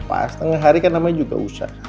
gapapa setengah hari kan namanya juga usah